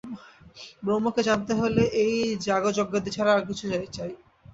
ব্রহ্মকে জানতে হলে ঐ যাগযজ্ঞাদি ছাড়া আরও কিছু চাই।